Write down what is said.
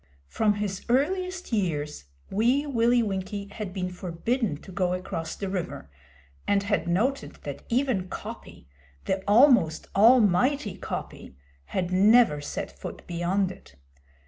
From his earliest years, Wee Willie Winkie had been forbidden to go across the river, and had noted that even Coppy the almost almighty Coppy had never set foot beyond it.